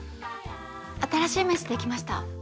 新しい名刺できました。